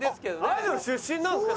アイドル出身なんですか？